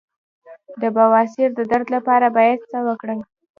د بواسیر د درد لپاره باید څه وکړم؟